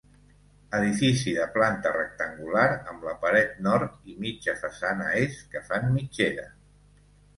Edifici de planta rectangular, amb la paret nord i mitja façana est que fan mitgera.